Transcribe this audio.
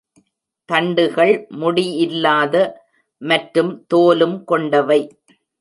தண்டுகள் முடி இல்லாத மற்றும் தோலும் கொண்டவை.